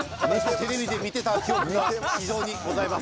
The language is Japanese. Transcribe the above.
テレビで見てた記憶が非常にございます。